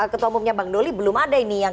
ketua umumnya bang doli belum ada ini yang